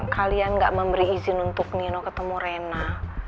kalian gak memberi izin untuk nino ketemu rena